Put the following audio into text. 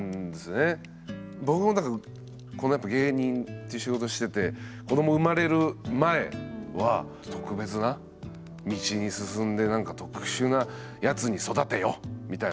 僕もだからこのやっぱ芸人っていう仕事してて子ども生まれる前は特別な道に進んで何か特殊なやつに育てよみたいなどっかで思ってたんですけど